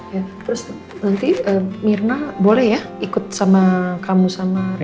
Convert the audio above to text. ya terus nanti mirna boleh ya ikut sama kamu sama ria